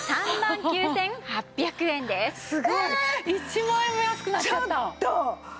すごい１万円も安くなっちゃった！